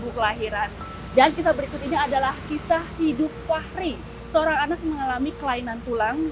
kelahiran dan kisah berikut ini adalah kisah hidup fahri seorang anak mengalami kelainan tulang